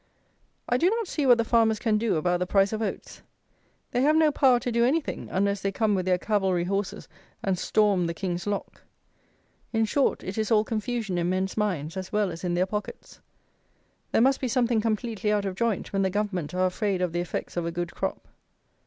I do not see what the farmers can do about the price of oats. They have no power to do anything, unless they come with their cavalry horses and storm the "King's lock." In short, it is all confusion in men's minds as well as in their pockets. There must be something completely out of joint when the Government are afraid of the effects of a good crop.